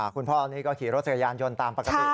คุณพ่อนี่ก็ขี่รถจักรยานยนต์ตามปกติ